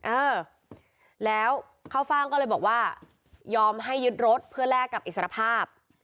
เออแล้วเข้าฟ่างก็เลยบอกว่ายอมให้ยึดรถเพื่อแลกกับอิสรภาพ